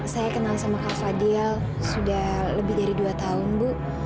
saya kenal sama kak fadila sudah lebih dari dua tahun bu